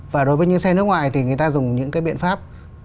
và đối với những xe nước ngoài thì người ta dùng những cái biện pháp